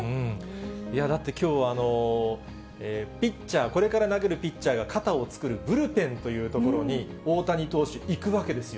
いや、だってきょうはピッチャー、これから投げるピッチャーが肩を作るブルペンという所に大谷投手、行くわけですよ。